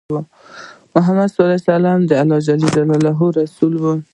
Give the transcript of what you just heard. محمد صلی الله عليه وسلم د الله جل جلاله رسول دی۔